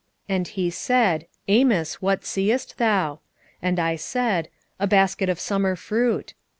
8:2 And he said, Amos, what seest thou? And I said, A basket of summer fruit.